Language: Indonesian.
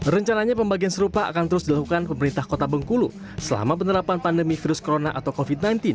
rencananya pembagian serupa akan terus dilakukan pemerintah kota bengkulu selama penerapan pandemi virus corona atau covid sembilan belas